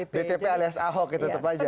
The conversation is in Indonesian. btp alias ahok itu tetap aja